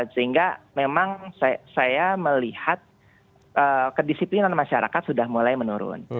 sehingga memang saya melihat kedisiplinan masyarakat sudah mulai menurun